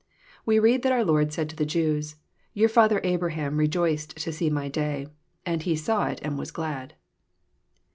We read that our Lord said to the Jews, ^^Tour father Abraham r^oiced to see My day : and he saw it and was glad."